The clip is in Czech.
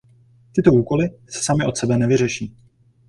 Tyto úkoly se samy od sebe nevyřeší.